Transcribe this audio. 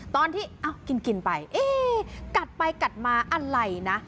ตอนที่กินไปเอ๊ะกัดไปกัดมาอะไรนะ